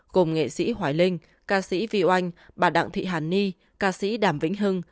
gồm nghệ sĩ hoài linh ca sĩ vy oanh bà đặng thị hàn ni ca sĩ đàm vĩnh hưng